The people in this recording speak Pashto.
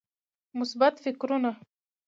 مثبت فکرونه